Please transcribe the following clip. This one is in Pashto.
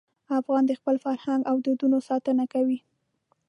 افغان د خپل فرهنګ او دودونو ساتنه کوي.